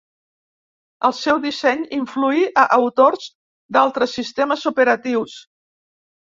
El seu disseny influí a autors d'altres sistemes operatius.